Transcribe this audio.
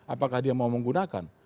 apakah dia mau menggunakan